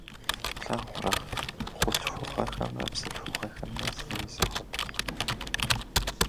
Плъагъурэ, хъулъхугъэхэмрэ бзылъхугъэхэмрэ зэи зэхуэдэ хъунукъым.